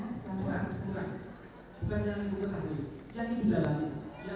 menggunakan yang terima pelanggaya